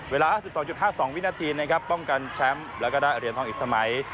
เวลาสิบสองจุดห้าสองวินาทีนะครับป้องกันแชมป์แล้วก็ได้เอิญทองอีกสมัย